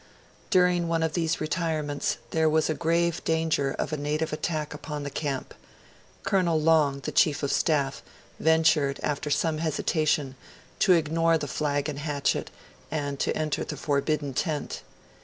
During, one of these retirements, there was grave danger of a native attack upon the camp. Colonel Long, the Chief of Staff, ventured, after some hesitation, to ignore the flag and hatchet, and to enter the forbidden tent.